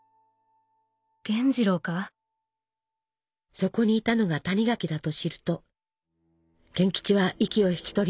そこにいたのが谷垣だと知ると賢吉は息を引き取ります。